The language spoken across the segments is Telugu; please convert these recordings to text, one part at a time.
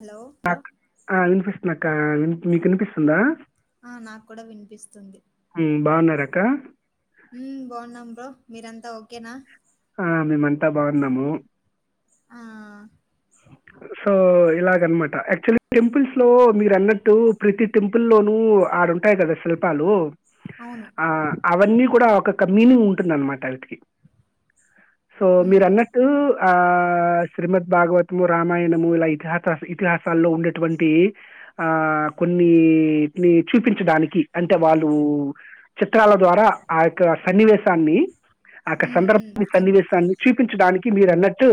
హలో బ్రో వినిపిస్తున్నా అక్క మీకు వినిపిస్తుందా ఆ నాకు కూడా వినిపిస్తుంది కకా బాగున్నాం బ్రో మీరంతా ఓకేనా ఆ మేమంతా బాగున్నాము ఆ అ లాగ అనమాట యాక్చువల్లీ టెంపుల్స్ లో మీరు అన్నట్టు ప్రతి టెంపుల్ లోనూ ఆడుంటాయ్ కదా శిల్ప లు అవును ఆ అవన్నీ కూడా ఒకోక్క మీనింగ్ ఉంటుందన్నమాట అవీటికి సో ఉమ్ మీరన్నట్టు ఆ శ్రీమద్ భాగవత్ ము రామాయణము ఇలా ఇతిహాస ఇతిహాసాల్లో ఉండేటువంటి ఆ కొన్ని చూపించడానికి అంటే వాళ్ళు చిత్రాల ద్వారా ఆ యొక్క సన్నివేశాన్ని ఆక్ ఉమ్ ఉమ్ సందర్భాన్ని క సన్నివేశాన్ని చుపించడానికి మీరు అన్నట్టు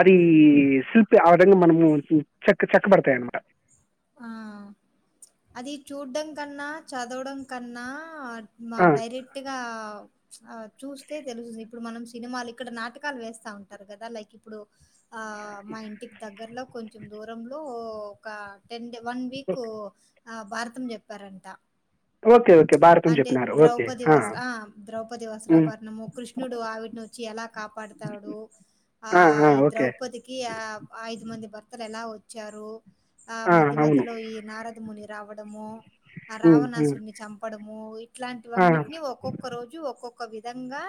అది శిల్పి ఆ విధంగా మనము చెక్క చెక్కబడతాయ్ అన్నమాట ఆ అది చూడ్డం కన్నా చదవడం కన్నా మా డైరెక్ట్గా ఆ చూస్తే తెలుస్తుంది ఇప్పుడు మనం సినిమాలు ఇక్కడ నాటకాలు వేస్తా ఉంటారు కదా లైక్ ఇప్పుడు అ ఆ మా ఇంటికి దగ్గరలో కొంచెం దూరంలో ఒక టెన్ డేమ్ వన్ వీక్ ఆ భారతం చెప్పారంట ఓకే ఓ అంటే ద్రౌపది వస్త్రా ఆ ద్రౌపది ఉమ్, వస్త్రాభరణము కృష్ణుడు ఆవిటి ను వచ్చి ఎలా కాపాడుతాడు ఆ ఈ ద్రౌపదికి ఆ ఐదు మంది భర్తలు ఎలా వ చారు ఆ మధ్య మధ్యలో ఈ నారదముని రావడము ఆ ఉమ్, ఉమ్, రావణాసురిని చం ప్పడము ఆ, ఇట్లాంటివన్నింటిని ఒక్కొక్క రోజు ఒక్కొక్క విధంగా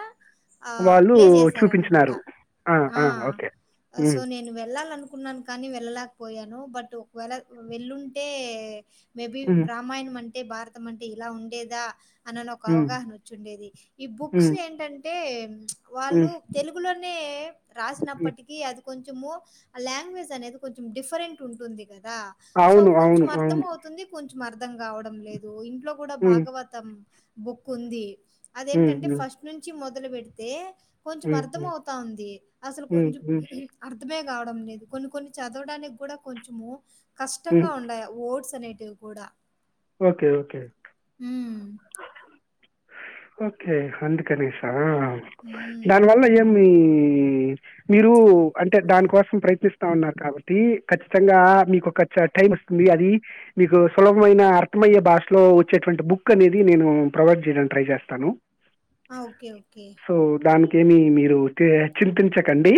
ఆ వాళ్ళు ప్లే చేసారనమాట చూపించినారు ఆ సో ఉమ్, నేను వెళ్ళాలనుకు కున్నాను కానీ వెళ్ళలేక పోయాను బట్ ఒకవేళ వెళ్ళుంటే మేబి ఉమ్, బ్రామాయణం అంటే భారతం అంటే ఇలా ఉండేదా మనలో ఒక ఉమ్, అవగాహన వచ్చుండేది ఈ బుక్స్ ఉమ్, ఏంటంటే వాళ్ళు ఉమ్, తెలుగులోనే ఎ ఉమ్. రాసినప్పటిక అది కొంచెము ఆ లాంగ్వేజ్ అనేది కొంచెం డిఫరెంట్ ఉంటుంది కద్ దా సో అవును కొంచం అవును అవును అర్థమౌతుంది కొంచ అర్థం కావడం లేదు ఇంట్లో కూడా ఉమ్, భాగవతం బుక్ ఉంది ఉమ్, అదేంటంటే ఉమ్, ఫస్ట్ నుంచి మొదలు పెడితే కొంచం ఉమ్, అర్థం అవుతా ఉంది అసలు ఉమ్, కొంచెం ఉమ్, అర్థమే కావడం లేదు కొన్ని కొన్ని చదవడానికి కూడా కొంచెము కష్టంగా ఉమ్. ఉంన్నాయ్ ఓడ్స్ అనే టివి కూడా ఓకే ఓకే మ్ ఓకే అందుకనేస హ్మ్. దానివల్ల ఏమి మ్మ్ మీరు అంటే దానికోసం ప్రయత్నిస్తా ఉన్నారు కాబట్టి ఖచ్చితంగా మీకొక చ టైం వస్తుంది అది మీకు సులభమైన అర్థమయ్యే భాషలో వచ్చేటువంటి బుక్ అనేది నేను ప్రొవైడ్ చేయడానికి ట్రై జేస్ ఓకే ఓకే సో దానికి ఏమి మీరు తె చింతించకండి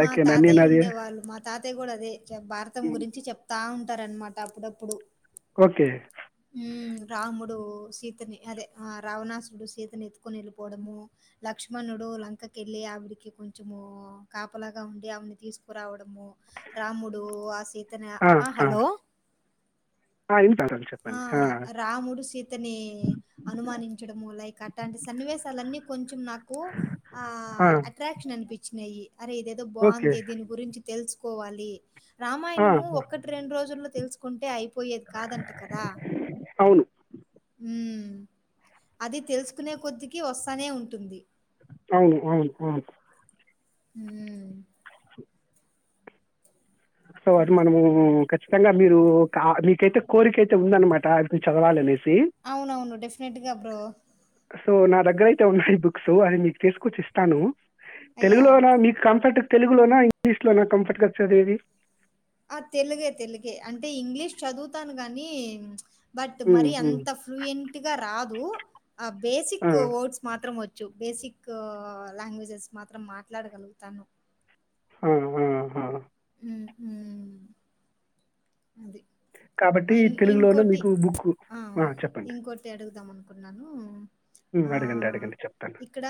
మా ఓకేనా నేను తాతయ్య అది ఉండే వాళ్ళు మా తాతయ్య కూడా అదే భారతం గురించి చెప్తా ఉం ంటారనమాట అప్పుడప్పుడు ఓకే మ్ రాముడు సీతని అదే ఆ రావణాసుడు సీతని ఎత్తుకుొని వెళ్ళిపోవడము లక్ష్మణు ముడు లంకెళ్ళి ఆవిడకి కొంచము కాపలాగా ఉఉండి ఆవిడను తీసుకురావడము రా మ్ముడు ఆ సీతని ఆ హలో ఆ ఇంటరండి చెప్పండి ఆ ఆ రాముడు సీతని అనుమానించడము లైక్ అట్లాంటి సన్నివేశాలన్నీ కొంచెం నాకు ఆ అట్రాక్షన్ అనిపించినాయి అరే ఇదేదో ఓకే బాగుందే దీని గురించి తెలుసుకోవాలి ఆ, రామాయణము ఒక్కటి రెండు రోజుల్లో తెలుసుకుంటే అయిపోయేది కాదంట కదా అవును ఊమ్ అది తెలుసుకునేకొద్దికి వస్తానే ఉంటుంది అవును అవును అవును ఊమ్ సో అది మనము క ఖచ్చితంగా మీరు కా మీకైతే కోరిక అయితే ఉందనమాట అది మీరు చదవాలని అవునవును డెఫినెట్ గా బ్రో సో నా దగ్గర అయితే ఉన్నాయి బుక్స్ అవి మీకు తీసుకొచ్చి ఇస్తాను యాహ్! తెలుగులోనా మీకు కంఫర్ట్ తెలుగులోనా ఇంగ్లీష్ లోనా కంఫర్ట్ గా చదివేది ఆ తెలుగే తెలుగే అంటే ఇంగ్లీష్ చదువుతాను గాని బట్ ఉమ్, మరీ ఉమ్. అంత ఫ్లూయెంట్గా రాదు ఆ ఆ, బేసిక్ వర్డ్స్ మాత్రం వొ చ్చు బేసిక్ లాంగ్వేజెస్ మాత్రం మాట్లాడగలుగుతాను హ హ హ ఉ ఊ అది కాబట్టి తెలుగులోన ఇంకోటి మీకు బుక్కు అ చెప్పండి కున్నాను ఉమ్, ఆ అడగండి అడగండి చెప్తాను ఇక్కడ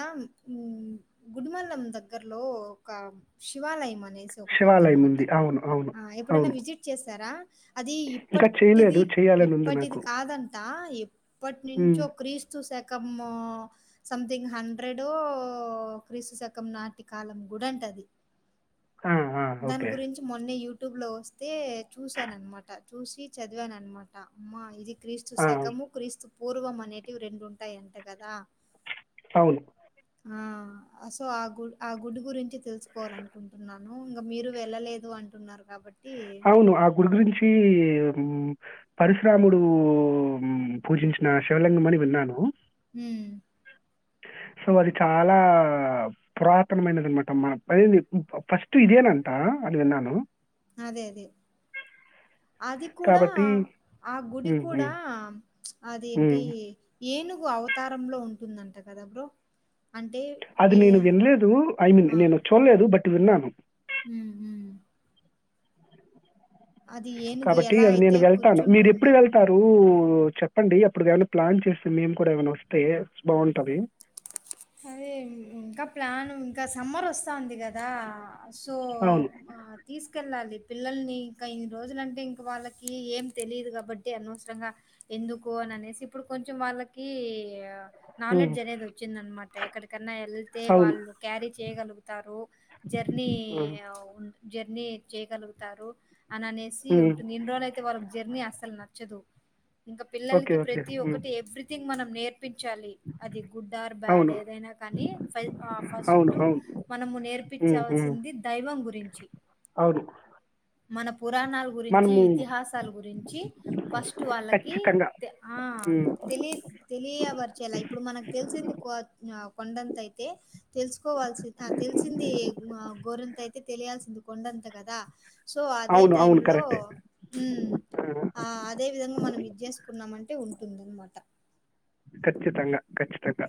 గుడ్ మల్ లం దగ్గర్లో ఒక శివాలయం అ నేసి శివాలయం ఒకటుందనమాట ఉంది అవును అవును ఆ ఎప్పుడైనా అవును విజిట్ చేసారా అది ఇంకా టిది చేయలేదు చేయాలని ఉంది ఇప్పటిది నాకు కాదంట ఉమ్, ఇప్పట్నించో క్రీస్తు శకమూ సంథింగ్ హండ్రెడో క్రీస్తు శకం నాటి కాలం గుడంట అది [inaudible] ఆ, ఆ, దాని ఓకే గురించి మొన్నే యూ యూట్యూబ్ లో వస్తే చూసాననమాట చూసి చదివాను అనమాట అమ్మా ఇది క్రీస్తు ఆ, శకము క్రీస్తు పూర్వం అనేటివి రెండుంటాయంట కదా అవును ఆ అ సో ఆ గు ఆ గుడి గురించి తెలుసుకోవాల అనుకుంటున్నాను ను ఇంగ మీరు వెళ్ళలేదు అంటున్నారు కాబ అవును ఆ గుడి గురించి ఊ పరిశిరాముడు పూజించిన శివలింగం అని విన్నాను ఉమ్ సో అది చాలా పురాతనమైనది అనమాటమా అ అది ఫస్ట్ ఇదేనంట అడి విన్నాను అదే అదే అది కూడా కాబట్టి ఆ గుడి హ్మ్. కూడా హ్మ్. అదేంటి హ్మ్. ఏనుగు అవతారంలో ఉంటుందంట కదా బ్రో అంటే అది వే నేను విండ్లేదు ఐ మీన్ నేను చూల్లేదు బట్ విన్నాను ఉ ఊ ఏనుగు కాబట్టి ఎలా అది అయితే నేను వెళ్తాను మీరు ఎప్పుడు కూర్చుంటుందో వెళ్తారు రు చెప్పండి అప్పుడు ఏమైనా ప్లాన్ చేస్తే మేము కూడా ఏమైనా వస్తే బాంటది అదే ఇంకా ప్లాను ఇంకా సమ్మరొస్తా ఉంది క దా సో అవును. తీసుకెళ్ళాలి పిల్లల్ని ఇక ఇన్ని రోజులంటే ఇంకా వాళ్ళకి ఏం తెలియదు కాబట్టి అనవసరంగా ఎందుకు ననేసి ఇప్పుడు కొంచెం వాళ్ళకి హ్మ్. నాలెడ్జ్ అనేది వచ్చింద అనమాట ఎక్కడికన్నా ఎళ్తే అవును. వాళ్ళు క్యారీ చేయగలుగుతారు జర్నీ హ్మ్. ఉ జర్నీ చేయగలుగుతారు అని అనేసి హ్మ్. ఉంటుంది ఇన్ని రోజులు అయితే వాళ్ళకి జర్నీ అస్సలు నచ్చదు ఇంకా ఓకే. పిల్లలకి ఓకే. ప్రతి హ్మ్. ఒక్కటి ఎవ్రీథింగ్ మనం నేర్పించాలి అది గుడ్ ఆర్ అవును. బ్యాడే కానీ అవును ఫస్ట్ అవును మనము ఉమ్, ఉమ్, నేర్పించాల్సింది దైవం గురించి అవును మన పురాణాల గురించి మనము ఇతిహాసాల గురించి ఫస్ట్ వాళ్ళకి ఖచ్చితంగా ఆ ఉమ్, తెలి తెలియపరిచలా ఇప్పుడు మనకు తెలిసిందుకు కొండంత అయితే తెలుసుకోవాల్సి తెలిసింది గోరంత అయితే తెలియాల్సింది కొండ డంత కదా సో అదే అవును టైమ్ అవును లో కరెక్టే ఉమ్ ఆ, అ అదే విధంగా మనం ఇది చేసుకున్నామంటే ఉంటుంద అనమాట ఖచ్చితంగా ఖచ్చితంగా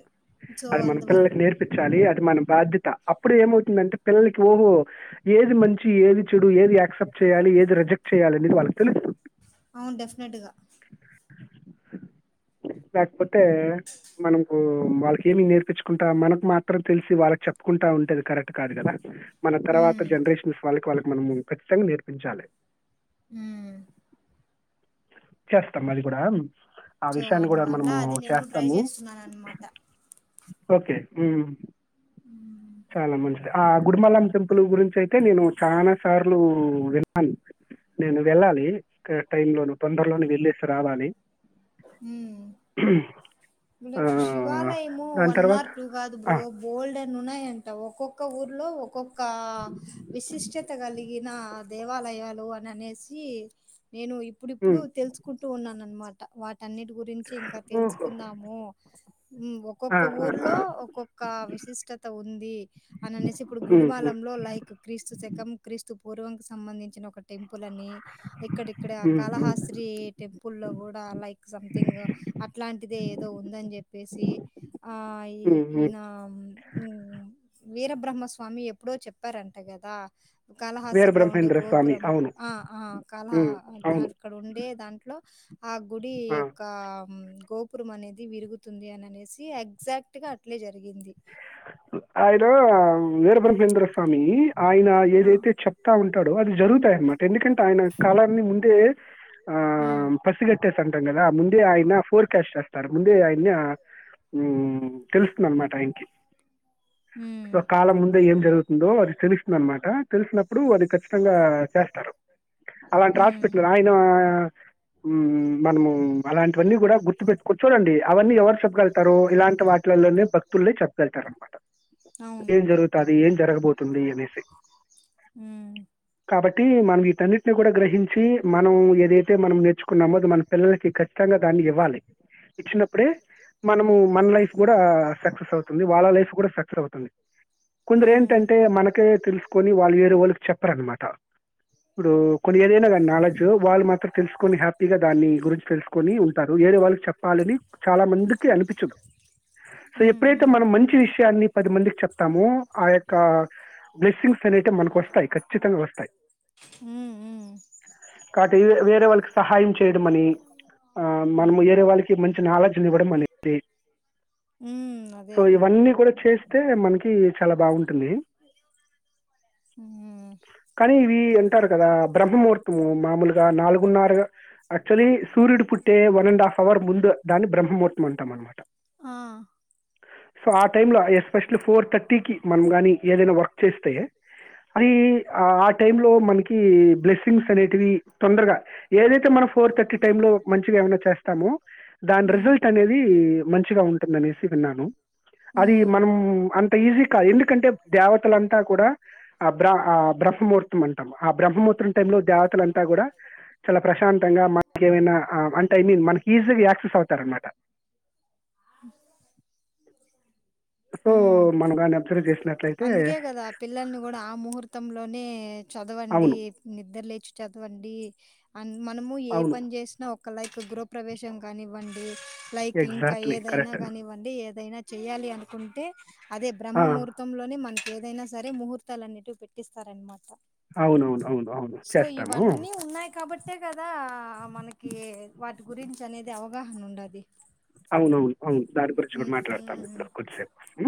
సో అది మన అందువల్ల పిల్లలకి నేర్పించాలి అది మన బాధ్య త అప్పుడు ఏమవుతుందంటే పిల్లలకి ఓహో ఏది మంచి ఏది చెడు ఏది యాక్సెప్ట్ చేయాలి ఏది రిజెక్ట్ చేయాలనేది వాళ్ళకి తెలుస్తుంది అవున్ డెఫినెట్గా లేక్పోతే మనకు వాళ్ళకేమి నేర్పించుకుంటా మనకు మాత్రం తెలిసి వాళ్ళకి చెప్పుకుంటా ఉంటే అది కరెక్ట్ కాదు కదా మన తర్వాత హ్మ్. జనరేషన్స్ వాళ్ళకి వాళ్ళకి మనము ఖచ్చితంగా నేర్పించాలె ఊమ్ ఇచ్చేస్తాం అది కూడా ఆ సో విషయాన్ని కూడా అందువల్ల మనము అది నేను ట్రై చేస్తాము చేస్తున్నాను అనమాట ఓకే హూ చాన మంచి ఆ గుడిమలం టెంపుల్ గురించయితే నేను చానా సార్లు విన్నాను నేను వెళ్ళాలి ఇక్కడ టైమ్ లోను తొందరలోను వెళ్లేసి రావాలి హూమ్ ఆ, లైక్ శివాలయము దాని వన్ తర్వాత అర్ టూ కాదు ఆ, బ్రో బోల్డన్నీ ఉన్నాయంట ఒక్కొక్క ఊర్లో ఒక్కొక్క విశిష్టత కలిగిన దేవాలయాలు అని అనేసి నేను ఇప్పుడిప్పుడు మ్మ్. తెలుసుకుంటూ ఉన్నాను అనమాట వాటి టన్నిటి గురించి ఇంకా ఓహో. తెలుసుకుందాము ఊ ఆ, ఒక్కొక్క ఆ, ఆ. ఊర్లో ఒక్కొక్క విశిష్టత ఉంది అని అనేసి ఇప్పుడు మ్మ్, గుడిమాల మ్మ్, లో లైక్ క్రీస్తు శకం క్రీస్తు పూర్వం సంబంధించిన ఒక టెం పుల్ అని ఇక్కడిక్కడె మ్మ్, మ్మ్, కాళహాస్త్రి టెంపుల్ లో కూడా లైక్ సంథింగ్ అక్ అట్లాంటిదే ఏదో ఉందని చెప్పేసి ఆ ఈ మ్మ్, మ్మ్. ఈన వీరబ్రహ్మస్వామి ఎప్పుడో చెప్పారంట కదా కాళహాస్రి లో ఉండే వీరబ్రహ్మేంద్ర స్వామి గోపురము అవును అ ఆ మ్మ్, కాళహాస్ అవును అక్కడ ఉండే దాంట్లో ఆ గుడి ఆ, యొక్క గోపురం అనేది ది విరుగుతుంది అని అనేసి ఎగ్జాక్ట్గా అట్లే జరిగింది ఆయనా వీరభ్రహ్మేంద్ర స్వామి ఆయన ఆ! ఏదైతే చెప్తా ఉంటాడో అది జరుగుతాయన్నమాట ఎందుకంటే ఆయన కాలాన్ని ముందే ఆ హ్మ్. పసిగట్టేసి అంటాం కదా ముందే ఆయన ఫోర్ క్యాష్ట్ చేస్తారు ముందే ఆయన్ని ఉమ్ తెలుస్తుందనమాట ఆయనకి హ్మ్. సో కాలం ముందే ఏం జరుగుతుందో అది తెలుస్తుందనమాట తెలిసిన ఇప్పుడు అది ఖచ్చితంగా చేస్తారు అలాంటి హ్మ్. [unintelligible] ఆయన ఉమ్ మనము అలాంటివన్నీ కూడ గుర్తుపెట్టుకుం చూడండి అవన్నీ ఎవరు చెప్పగలుగుతారు ఇలాంటి వాటిలలోనే భక్తుల్లే చెప్తుం తర్ అనమాట అవును. ఏం జరుగుతాది ఏం జరగబోతుంది అనేసి ఉ కాబట్టి మనం వీటన్నింటిని కూడ గ్రహించి మనం ఏదైతే మనం నేర్చుకున్నామో అది మన పిల్లలకి కచ్చితంగా దాన్ని ఇవ్వాలి ఇచ్చినప్పుడే మనము మన లైఫ్ కూడా సక్సెస్ అవుతు వాళ్ళ లైఫ్ కూడ సక్సెస్ అవుతుంది హ్మ్. కొందరేంటంటే మనకే తెలుసుకొని వాళ్ళు వేరే వాళ్ళకి చెప్పరనమాట ఇప్పుడు కొరియరె నాలెడ్జ్ వాళ్ళు మాత్రం తెలుసుకొని హ్యాపీగా దాన్ని గురించి తెలుసుకొని ఉంటారు వేరే వాళ్ళుకు చెప్పాలని చాలా అందుకే అనిపిచ్చదు హూ మ్ అయితే మనం మంచి విషయాన్ని పది మందికి చెప్తాము ఆ యొక్క బ్లెస్సింగ్స్ అనేటి మనకు వస్తాయి ఖచ్చితంగా వస్తాయి మ్ మ్ కాబట్టి వేరే వాళ్ళకి సహాయం చేయడమని ఆ మనం హ్మ్ ఏరే వాళ్ళకి మంచి నాలెడ్జ్నివ్వడం అనేది మ్మ్ సో ఇవన్నీ కూడా చేస్తే మనకి చాలా బాగుంటుంది హ్మ్ కానీ ఇవి అంటారు కదా బ్రహ్మముహూర్తము మామూలుగా నాలుగున్నరగా యాక్చువలీ సూర్యుడు పుట్టే వన్ అండ్ హాఫ్ అవర్ ముందు దాన్ని బ్రహ్మహూర్తం అంటాం అనమాట ఆ సో ఆ టైమ్ లో ఎస్పెషలీ ఫోర్ థర్టీకి మనం గాని ఏదైనా వర్క్ చేస్తే అది ఆ ఆ టైమ్ లో మనకి బ్లెస్సింగ్స్ అనేటివి తొందరగా ఏదైతే మనం ఫోర్ థర్టీ టైమ్ లో మంచిగా ఏమైనా చేస్తామో దాని హ్మ్. రిజల్ట్ అనేది మంచిగా ఉంటుందనేసి విన్నాను అది హ్మ్. మనం అంత ఈజీ కాదు ఎందుకంటే దేవతలంతా కూడా ఆ బ్రా ఆ బ్రాహ హ్మహూర్త అంటా ఆ బ్రహ్మహూర్ం టైంలో దేవతలంతా కూడ చాలా ప్రశాంతంగా మన ఏైనా అంటే ఐ మీన్ మనకి ఈజీగా యాక్సెస్ అవుతారనమాట సో హుమ్ మనం కానీ అబ్జర్వ్ చేసినట్లయితే అందుకే కదా ఆ పిల్లల్ని కూడా ఆ ముహూర్తం లోనే చదవండి అవును నిద్ద్ర లేచి చదవండి అండ్ మనము ఏ అవును పని చేసినా ఒక లైక్ గృహప్రవేశం కానివ్వండి లైక్ ఇంకా ఎగ్జాక్ట్లీ ఏదైనా కరెక్ట్ కానివ్వండి ఏదైనా చెయాలి అనుకుంటే అదే బ్రహ్మ ముహూర్తంలోనే మనకి ఏదైనా సరే ముహూర్తాలన్నిటి పెట్టిస్తారనమాట అవునవునువును అవును సో, చేస్తా ఇవన్నీ ఉన్నాయి కాబట్ ట్టే కదా మనకి వాటి గురించి అనేది అవగాహన ఉండది అవునువునువును దాని గురించి కూడా మాట్లాడతాను ఇప్పుడు కొద్దిసేపు హుమ్